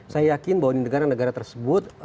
saya yakin bahwa di negara negara tersebut